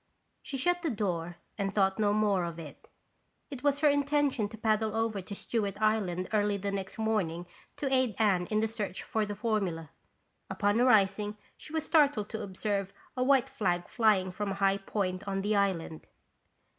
She shut the door and thought no more of it. It was her intention to paddle over to Stewart Island early the next morning to aid Anne in the search for the formula. Upon arising, she was startled to observe a white flag flying from a high point on the island.